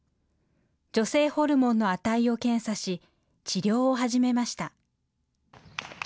女性ホルモンの値を検査し治療を始めました。